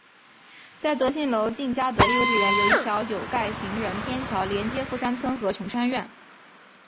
在富信楼近嘉德丽幼稚园有一条有盖行人天桥连接富山邨及琼山苑。